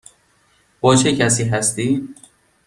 با چه کسی هستی؟